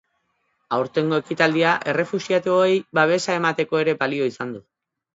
Aurtengo ekitaldia errefuxiatuei babesa emateko ere balio izan du.